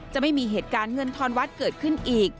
จะไม่มีเหตุการณ์เงินทอนวัดเกิดขึ้นอีก